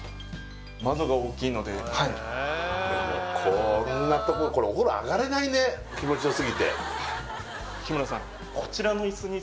窓が大きいのでこんなとここれお風呂上がれないね気持ちよすぎて日村さん